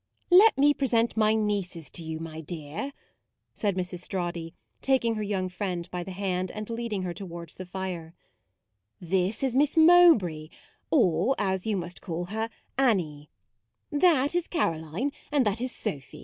"Let me present my nieces to you, my dear," said Mrs. Strawdy, taking her young friend by the hand and leading her towards the fire :" This is Miss Mowbray ; or, as you must call her, Annie ; that is Caro 54 MAUDE line, and that Sophy.